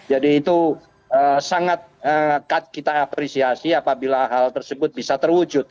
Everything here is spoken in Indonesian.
jadi itu sangat kita apresiasi apabila hal tersebut bisa terwujud